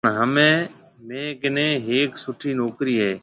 پڻ همي ميه ڪني هيَڪ سُٺِي نوڪرِي هيَ۔